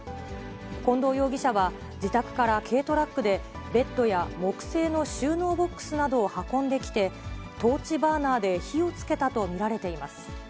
近藤容疑者は、自宅から軽トラックでベッドや木製の収納ボックスなどを運んできて、トーチバーナーで火をつけたと見られています。